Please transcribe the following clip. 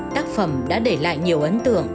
tác phẩm đã để lại nhiều ấn tượng